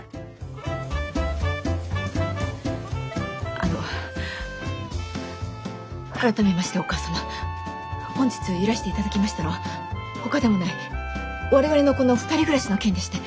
あの改めましてお母様本日いらして頂きましたのはほかでもない我々のこの２人暮らしの件でして。